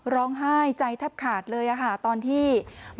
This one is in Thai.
ร้องไห้ใจทับขาดเลยอะค่ะตอนที่กดรูปกริม